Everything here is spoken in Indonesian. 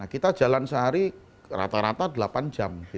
kita jalan sehari rata rata delapan jam